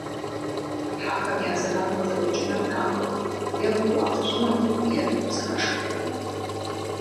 Хьэхэм я зэран къызэрокӀынур нахуэт - е уафыщӏынут, е узэхашхыхьынут.